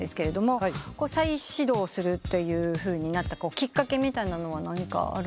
再始動するというふうになったきっかけみたいなのは何かあるんですか？